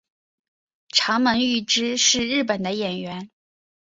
长门裕之是日本的演员。